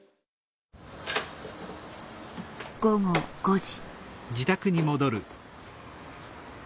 午後５時。